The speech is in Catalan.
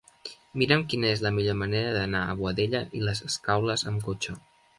Mira'm quina és la millor manera d'anar a Boadella i les Escaules amb cotxe.